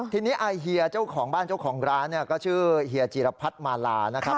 ทีนี้ไอเฮียเจ้าของบ้านเจ้าของร้านเนี่ยก็ชื่อเฮียจีรพัฒน์มาลานะครับ